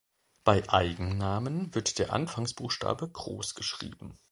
Bei Eigennamen wird der Anfangsbuchstabe groß geschrieben.